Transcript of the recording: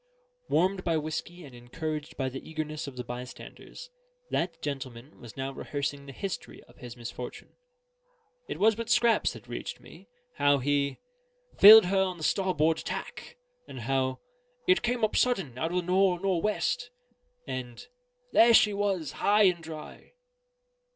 Warmed by whiskey and encouraged by the eagerness of the bystanders, that gentleman was now rehearsing the history of his misfortune. It was but scraps that reached me: how he "filled her on the starboard tack," and how "it came up sudden out of the nor'nor'west," and "there she was, high and dry."